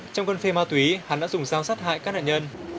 trong con phê ma túy hắn đã dùng sao sát hại các nạn nhân